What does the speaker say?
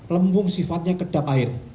lempung sifatnya kedap air